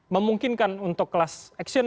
memungkinkan untuk kelas aksion